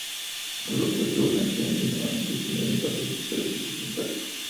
Proclo estuvo en aquel entonces nuevamente disponible para los lectores occidentales.